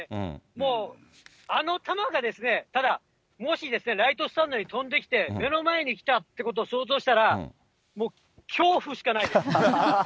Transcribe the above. もうあの球が、ただ、もしライトスタンドに飛んできて、目の前に来たってことを想像したら、恐怖しかないです。